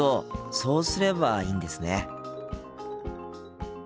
そうすればいいんですね。